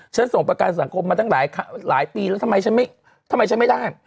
ฉันส่งประกันสังคมมาตั้งหลายปีแล้วทำไมฉันไม่ได้